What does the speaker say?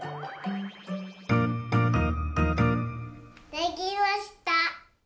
できました！